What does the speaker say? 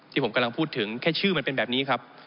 ที่ผมกำลังพูดถึงแค่ชื่อมันเป็นแบบนี้ครับ